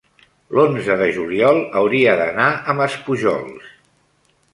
l'onze de juliol hauria d'anar a Maspujols.